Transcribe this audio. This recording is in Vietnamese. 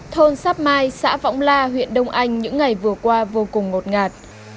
thôn sắp mai xã võng la huyện đông anh những ngày vừa qua vô cùng ngột ngạt